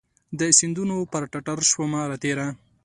د سیندونو پر ټټرشومه راتیره